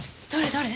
どれ？